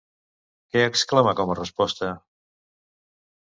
Què exclama com a resposta?